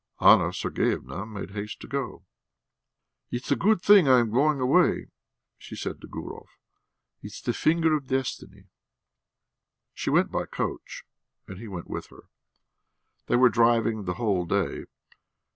Anna Sergeyevna made haste to go. "It's a good thing I am going away," she said to Gurov. "It's the finger of destiny!" She went by coach and he went with her. They were driving the whole day.